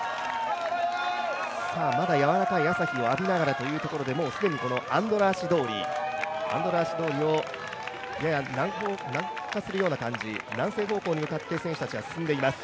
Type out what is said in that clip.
まだやわらかい朝日を浴びながらというところで、既にこのアンドラーシ通りをやや南下するような感じ、南西方向に向かって選手たちは走って行きます。